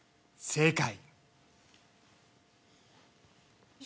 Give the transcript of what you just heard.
正解。